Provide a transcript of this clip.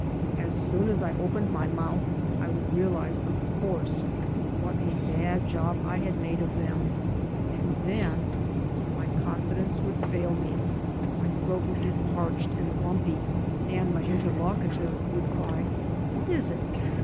As soon as I opened my mouth I would realize, of course, what a bad job I had made of them, and then my confidence would fail me, my throat would get parched and lumpy, and my interlocutor would cry, "What is it?"